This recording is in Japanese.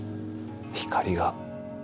光が。